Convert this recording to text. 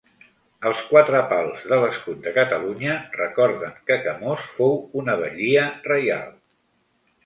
Els quatre pals de l'escut de Catalunya recorden que Camós fou una batllia reial.